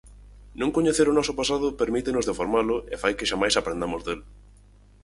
Non coñecer o noso pasado permítenos deformalo e fai que xamais aprendamos del.